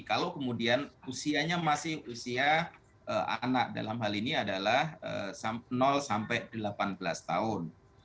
kalau kemudian usianya masih usia anak dalam hal ini adalah sampai delapan belas tahun